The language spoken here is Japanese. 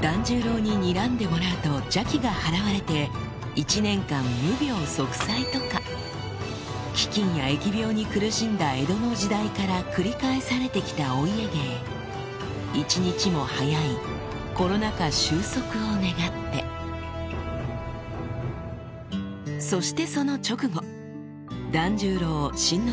團十郎ににらんでもらうと邪気がはらわれて一年間無病息災とか飢饉や疫病に苦しんだ江戸の時代から繰り返されて来たお家芸一日も早いコロナ禍収束を願ってそしてその直後團十郎新之助